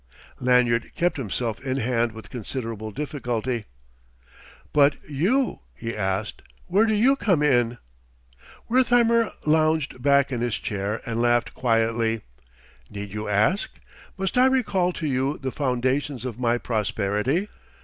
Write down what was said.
Lanyard kept himself in hand with considerable difficulty. "But you?" he asked. "Where do you come in?" Wertheimer lounged back in his chair and laughed quietly. "Need you ask? Must I recall to you the foundations of my prosperity?